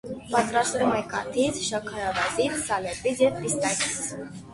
Պատրաստվում է կաթից, շաքարավազից, սալեպից և պիստակից։